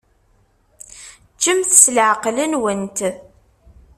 Ččemt s leɛqel-nwent.